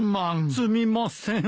すみません。